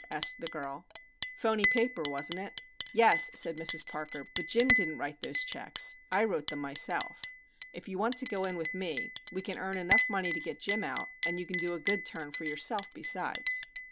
asked the girl. "'Phoney' paper, wasn't it?" "Yes," said Mrs. Parker, "but Jim didn't write those checks. I wrote them myself. If you want to go in with me, we can earn enough money to get Jim out and you can do a good turn for yourself besides."